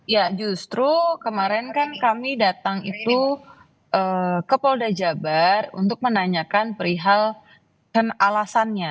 ya justru kemarin kan kami datang itu ke polda jabar untuk menanyakan perihal dan alasannya